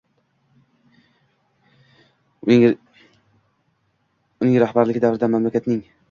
Uning rahbarlik davrida mamlakatning